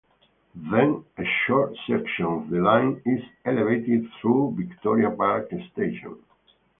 Then, a short section of the line is elevated through Victoria Park Station.